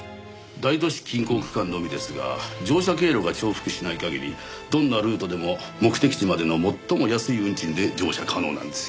大都市近郊区間のみですが乗車経路が重複しない限りどんなルートでも目的地までの最も安い運賃で乗車可能なんですよ。